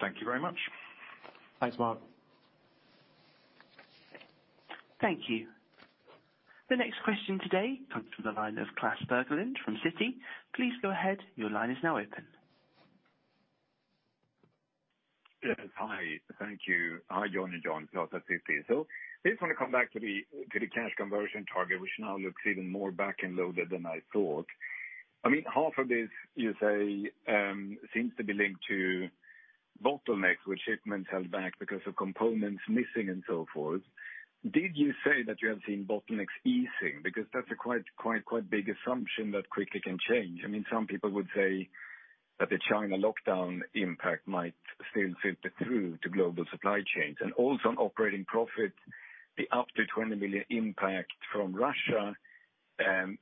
Thank you very much. Thanks, Mark. Thank you. The next question today comes from the line of Klas Bergelind from Citi. Please go ahead. Your line is now open. Yes. Hi, thank you. Hi, Jon and John, Klas Bergelind at Citi. Just want to come back to the cash conversion target, which now looks even more back-end loaded than I thought. I mean, half of this, you say, seems to be linked to bottlenecks with shipments held back because of components missing and so forth. Did you say that you have seen bottlenecks easing? Because that's a quite big assumption that quickly can change. I mean, some people would say that the China lockdown impact might still filter through to global supply chains. Also on operating profit, the up to 20 million impact from Russia,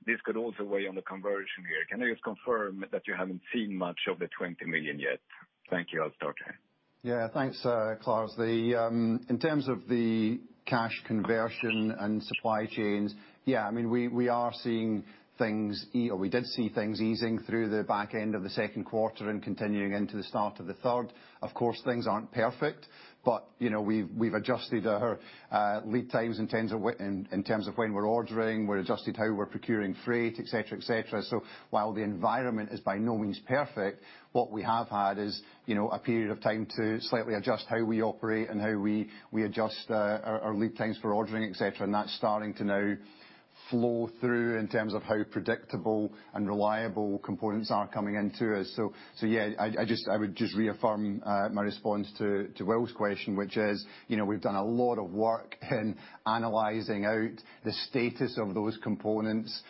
this could also weigh on the conversion here. Can you just confirm that you haven't seen much of the 20 million yet? Thank you. I'll stop there. Yeah. Thanks, Klas. In terms of the cash conversion and supply chains, yeah, I mean, we are seeing things or we did see things easing through the back end of the second quarter and continuing into the start of the third. Of course, things aren't perfect, but, you know, we've adjusted our lead times in terms of when we're ordering. We adjusted how we're procuring freight, et cetera. While the environment is by no means perfect, what we have had is, you know, a period of time to slightly adjust how we operate and how we adjust our lead times for ordering, et cetera. That's starting to now flow through in terms of how predictable and reliable components are coming into us. Yeah, I would just reaffirm my response to Will's question, which is, you know, we've done a lot of work in analyzing out the status of those components,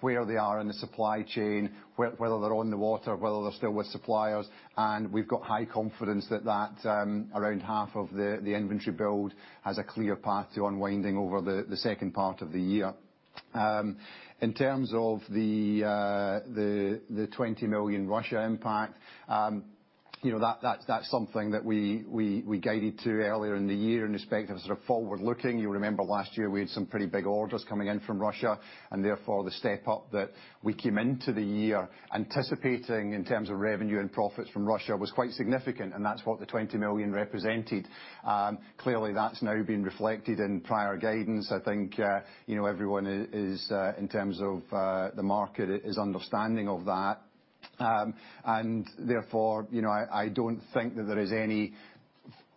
where they are in the supply chain, whether they're on the water, whether they're still with suppliers, and we've got high confidence that around half of the inventory build has a clear path to unwinding over the second part of the year. In terms of the 20 million Russia impact, you know, that's something that we guided to earlier in the year in respect of sort of forward-looking. You remember last year we had some pretty big orders coming in from Russia, and therefore the step up that we came into the year anticipating in terms of revenue and profits from Russia was quite significant, and that's what the 20 million represented. Clearly that's now been reflected in prior guidance. I think, you know, everyone is, in terms of, the market's understanding of that. Therefore, you know, I don't think that there is any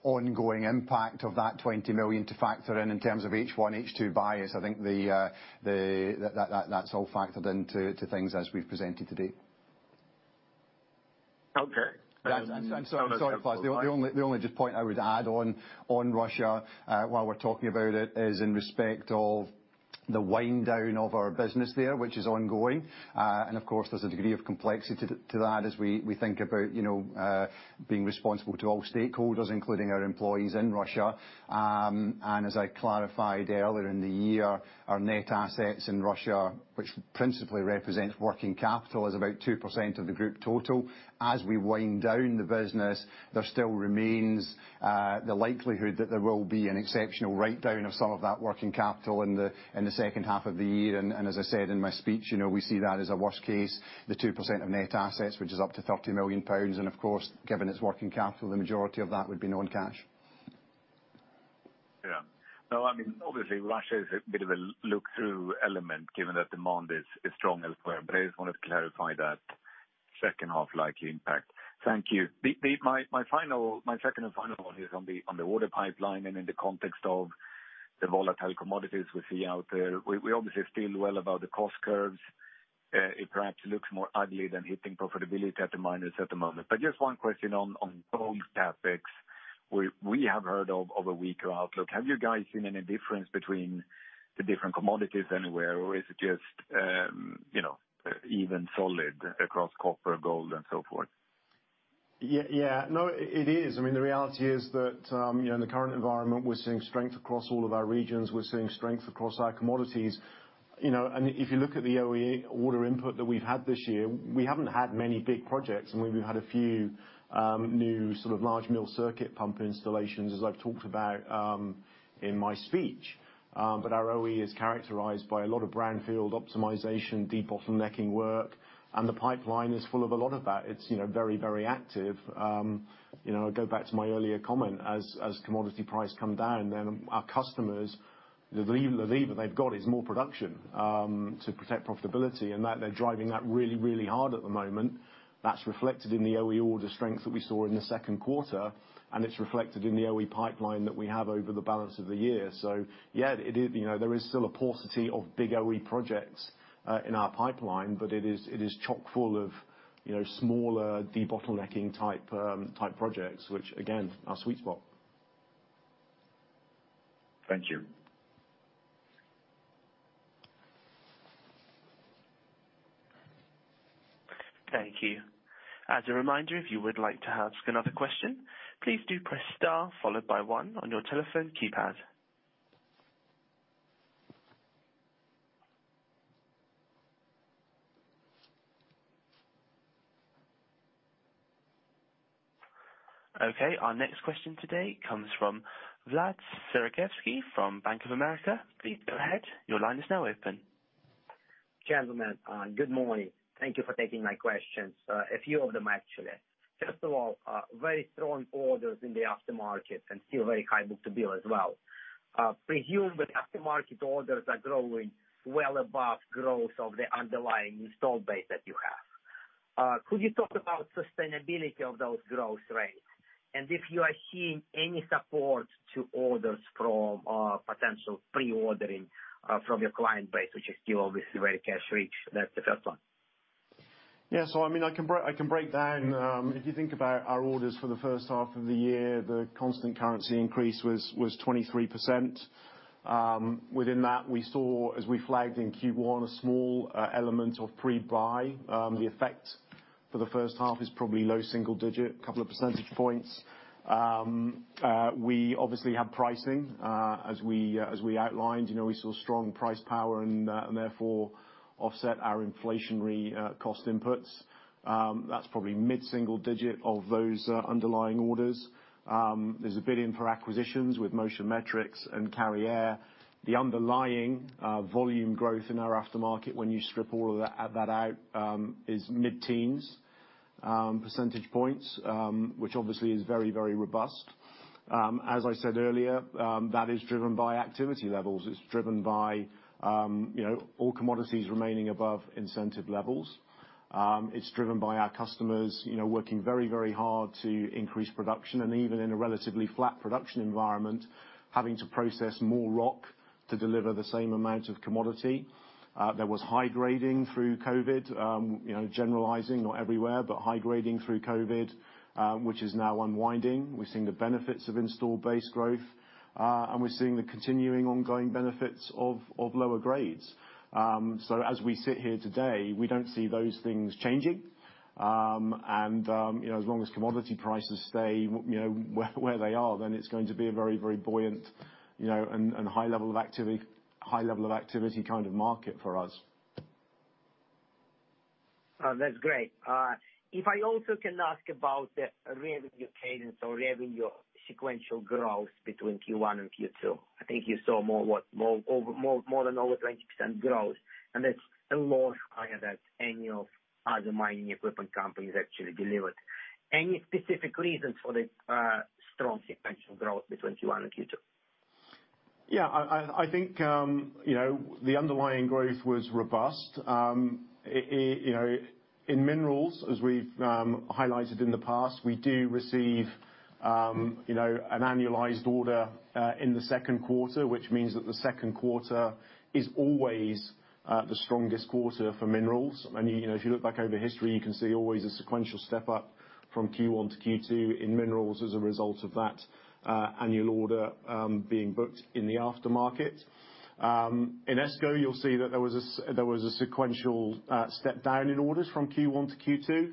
ongoing impact of that 20 million to factor in in terms of H1, H2 bias. I think that's all factored into things as we've presented today. Okay. I'm sorry, Klas. The only just point I would add on Russia while we're talking about it is in respect of the wind down of our business there, which is ongoing. Of course, there's a degree of complexity to that as we think about, you know, being responsible to all stakeholders, including our employees in Russia. As I clarified earlier in the year, our net assets in Russia, which principally represents working capital, is about 2% of the group total. As we wind down the business, there still remains the likelihood that there will be an exceptional write down of some of that working capital in the second half of the year. As I said in my speech, you know, we see that as a worst case, the 2% of net assets, which is up to 30 million pounds. Of course, given it's working capital, the majority of that would be non-cash. Yeah. No, I mean, obviously Russia is a bit of a look through element given that demand is strong elsewhere, but I just wanted to clarify that second half likely impact. Thank you. My final, my second and final one is on the order pipeline and in the context of the volatile commodities we see out there. We obviously feel well about the cost curves. It perhaps looks more ugly than hitting profitability at the miners at the moment. Just one question on both topics we have heard of a weaker outlook. Have you guys seen any difference between the different commodities anywhere, or is it just, you know, even solid across copper, gold and so forth? Yeah, yeah. No, it is. I mean, the reality is that, you know, in the current environment, we're seeing strength across all of our regions, we're seeing strength across our commodities. You know, and if you look at the OE order input that we've had this year, we haven't had many big projects. I mean, we've had a few, new sort of large mill circuit pump installations as I've talked about in my speech. But our OE is characterized by a lot of brownfield optimization, debottlenecking work, and the pipeline is full of a lot of that. It's, you know, very, very active. You know, go back to my earlier comment as commodity prices come down, then our customers, the lever they've got is more production to protect profitability, and that they're driving that really, really hard at the moment. That's reflected in the OE order strength that we saw in the second quarter, and it's reflected in the OE pipeline that we have over the balance of the year. Yeah, it is, you know, there is still a paucity of big OE projects in our pipeline, but it is chock-full of, you know, smaller debottlenecking type projects, which again, our sweet spot. Thank you. Thank you. As a reminder, if you would like to ask another question, please do press star followed by one on your telephone keypad. Okay, our next question today comes from Vladimir Sergievskiy from Bank of America. Please go ahead. Your line is now open. Gentlemen, good morning. Thank you for taking my questions. A few of them actually. First of all, very strong orders in the aftermarket and still very high book-to-bill as well. Presumed that aftermarket orders are growing well above growth of the underlying installed base that you have. Could you talk about sustainability of those growth rates, and if you are seeing any support to orders from potential pre-ordering from your client base, which is still obviously very cash rich? That's the first one. Yeah. I mean, I can break down if you think about our orders for the first half of the year, the constant currency increase was 23%. Within that, we saw, as we flagged in Q1, a small element of pre-buy. The effect for the first half is probably low single digit, couple of percentage points. We obviously have pricing, as we outlined. You know, we saw strong pricing power and therefore offset our inflationary cost inputs. That's probably mid-single digit of those underlying orders. There's GBP 1 billion for acquisitions with Motion Metrics and Carriere. The underlying volume growth in our aftermarket when you strip all of that out is mid-teens percentage points, which obviously is very robust. As I said earlier, that is driven by activity levels. It's driven by, you know, all commodities remaining above incentive levels. It's driven by our customers, you know, working very, very hard to increase production, and even in a relatively flat production environment, having to process more rock to deliver the same amount of commodity. There was high grading through COVID. You know, generalizing, not everywhere, but high grading through COVID, which is now unwinding. We're seeing the benefits of installed base growth, and we're seeing the continuing ongoing benefits of lower grades. As we sit here today, we don't see those things changing. You know, as long as commodity prices stay, you know, where they are, then it's going to be a very buoyant, you know, and high level of activity kind of market for us. That's great. If I also can ask about the revenue cadence or revenue sequential growth between Q1 and Q2. I think you saw more than 20% growth, and that's a lot higher than any other mining equipment companies actually delivered. Any specific reasons for the strong sequential growth between Q1 and Q2? Yeah, I think, you know, the underlying growth was robust. You know, in Minerals, as we've highlighted in the past, we do receive, you know, an annualized order in the second quarter, which means that the second quarter is always the strongest quarter for Minerals. I mean, you know, if you look back over history, you can see always a sequential step up from Q1 to Q2 in Minerals as a result of that, annual order being booked in the aftermarket. In ESCO, you'll see that there was a sequential step down in orders from Q1 to Q2.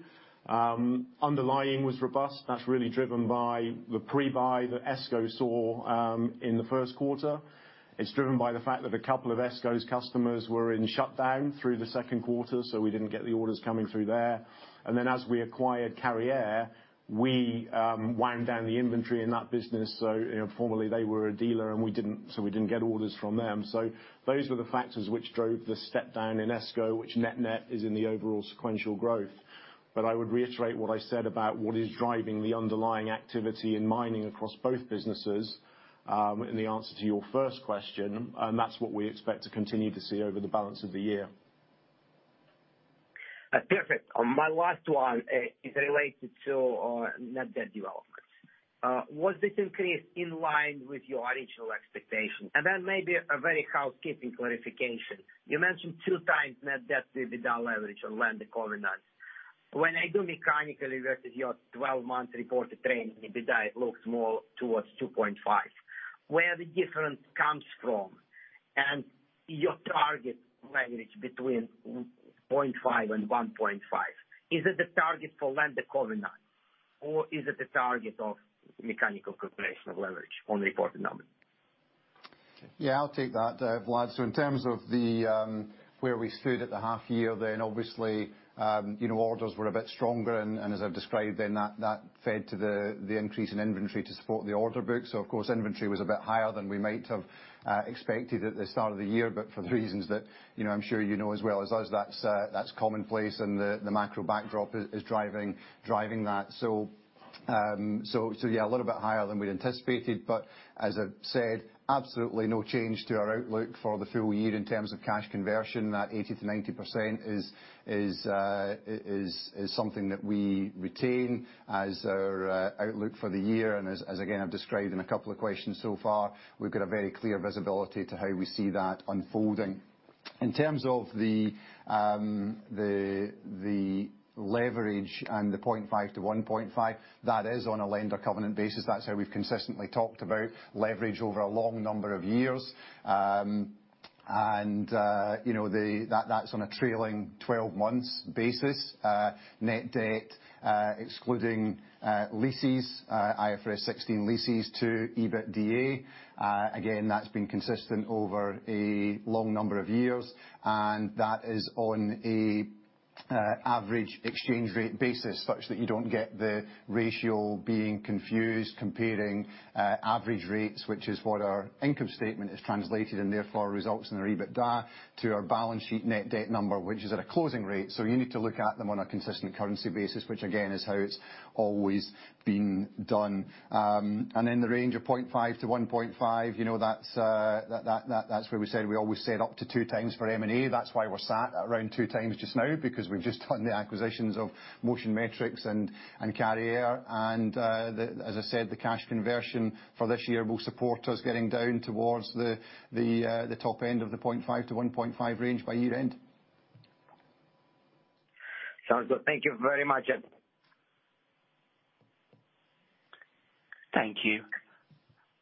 Underlying was robust. That's really driven by the pre-buy that ESCO saw in the first quarter. It's driven by the fact that a couple of ESCO's customers were in shutdown through the second quarter, so we didn't get the orders coming through there. As we acquired Carriere, we wound down the inventory in that business. You know, formerly they were a dealer and we didn't, so we didn't get orders from them. Those were the factors which drove the step down in ESCO, which net-net is in the overall sequential growth. I would reiterate what I said about what is driving the underlying activity in mining across both businesses, in the answer to your first question, and that's what we expect to continue to see over the balance of the year. Perfect. My last one is related to net debt developments. Was this increase in line with your original expectation? Then maybe a very housekeeping clarification. You mentioned 2x net debt to EBITDA leverage on lender covenants. When I do mechanically versus your twelve-month reported trailing EBITDA, it looks more towards 2.5. Where the difference comes from and your target leverage between 0.5 and 1.5. Is it the target for lender covenant or is it the target of mechanical calculation of leverage on reported numbers? Yeah, I'll take that, Vlad. In terms of where we stood at the half year, then obviously, you know, orders were a bit stronger and as I've described then that fed to the increase in inventory to support the order book. Of course, inventory was a bit higher than we might have expected at the start of the year. For the reasons that, you know, I'm sure you know as well as us, that's commonplace and the macro backdrop is driving that. Yeah, a little bit higher than we'd anticipated, but as I've said, absolutely no change to our outlook for the full year in terms of cash conversion. That 80%-90% is something that we retain as our outlook for the year and as again, I've described in a couple of questions so far, we've got a very clear visibility to how we see that unfolding. In terms of the leverage and the 0.5-1.5, that is on a lender covenant basis. That's how we've consistently talked about leverage over a long number of years. You know, that's on a trailing twelve months basis, net debt, excluding leases, IFRS 16 leases to EBITDA. Again, that's been consistent over a long number of years, and that is on a average exchange rate basis, such that you don't get the ratio being confused comparing average rates, which is what our income statement is translated, and therefore results in our EBITDA to our balance sheet net debt number, which is at a closing rate. You need to look at them on a consistent currency basis, which again, is how it's always been done. The range of 0.5-1.5, you know, that's where we said we always said up to 2x for M&A. That's why we're sat at around 2x just now, because we've just done the acquisitions of Motion Metrics and Carriere. As I said, the cash conversion for this year will support us getting down towards the top end of the 0.5-1.5 range by year end. Sounds good. Thank you very much. Thank you.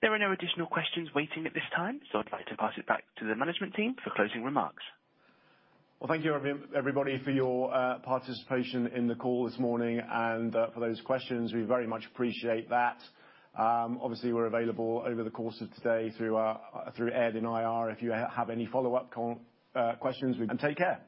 There are no additional questions waiting at this time, so I'd like to pass it back to the management team for closing remarks. Well, thank you everybody for your participation in the call this morning and for those questions. We very much appreciate that. Obviously we're available over the course of today through Ed in IR if you have any follow-up questions. Take care.